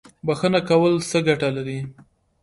بخښنه کول څه ګټه لري؟